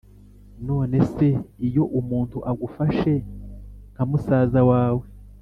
nonese iyo umuntu agufashe nkamusazawe